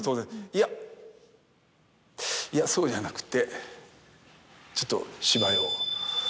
「いやいやそうじゃなくてちょっと」。